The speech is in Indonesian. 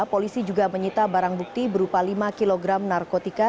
polisi juga menyita barang bukti berupa lima kg narkotika